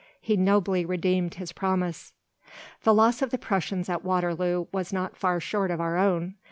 He nobly redeemed his promise. The loss of the Prussians at Waterloo was not far short of our own.